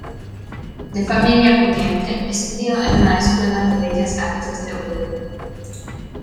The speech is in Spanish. De familia pudiente, estudió en la Escuela de Bellas Artes de Oviedo.